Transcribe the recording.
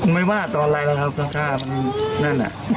ไม่ว่าตอนอะไรแล้วครับข้างนั่นน่ะ